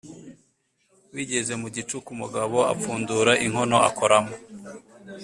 Bigeze mu gicuku umugabo apfundura inkono akoramo,